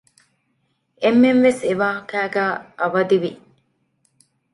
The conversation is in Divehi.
އެންމެންވެސް އެވާހަކައިގައި އަވަދިވި